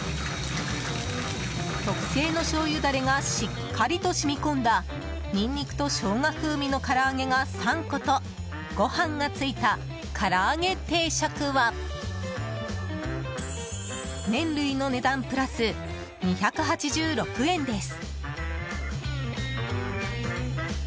特製のしょうゆダレがしっかりと染み込んだニンニクとショウガ風味の唐揚げが３個とご飯がついた唐揚げ定食は麺類の値段プラス２８６円です。